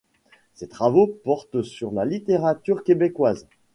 Ses travaux portent sur la littérature québécoise.